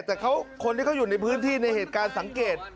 แต่คนที่เขาอยู่ในพื้นที่ในเหตุการณ์สังเกต